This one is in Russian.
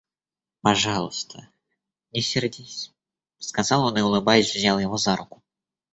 Пожалуйста, не сердись, — сказал он и улыбаясь взял его за руку.